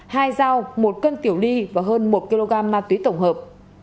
hai dao một cân tiểu ly và hơn một kg ma túy tổng hợp